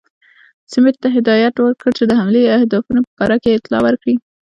سمیت ته هدایت ورکړ چې د حملې اهدافو په باره کې اطلاع ورکړي.